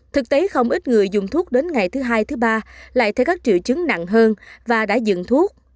thực tế không ít người dùng thuốc đến ngày thứ hai thứ ba lại thấy các triệu chứng nặng hơn và đã dựng thuốc